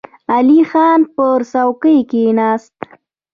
علی خان پر څوکۍ کېناست.